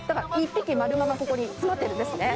１匹丸まま、ここに詰まっているんですね。